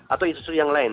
atau institusi yang lain